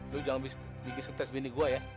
lu jangan bikin stress bini gue ya